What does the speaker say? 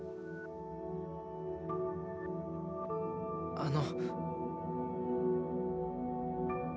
あの。